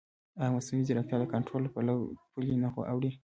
ایا مصنوعي ځیرکتیا د کنټرول له پولې نه اوړي؟